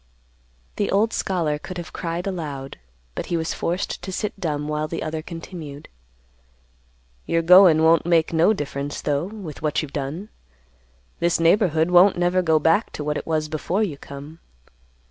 The old scholar could have cried aloud, but he was forced to sit dumb while the other continued, "You're goin' won't make no difference, though, with what you've done. This neighborhood won't never go back to what it was before you come.